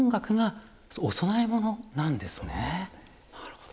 なるほど。